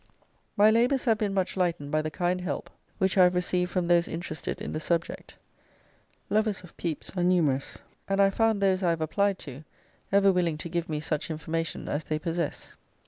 My labours have been much lightened by the kind help which I have received from those interested in the subject. Lovers of Pepys are numerous, and I have found those I have applied to ever willing to give me such information as they possess.